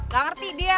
gak ngerti dia